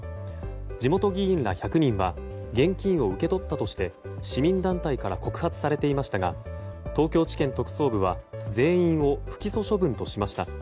地元議員ら１００人は現金を受け取ったとして市民団体から告発されていましたが東京地検特捜部は全員を不起訴処分としました。